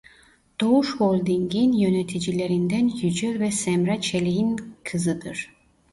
Doğuş Holding'in yöneticilerinden Yücel ve Semra Çelik'in kızıdır.